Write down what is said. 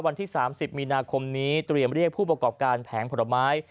วันที่๓๐มีนาคมนี้เตรียมเรียกผู้ประกอบการแผงผลไม้